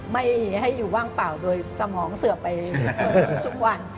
ไม่ให้อยู่ว่างเปล่าโดยสมองเสือบไปทุกวัน